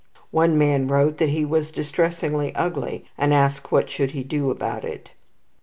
One man wrote that he was distressingly ugly, and asked what should he do about it.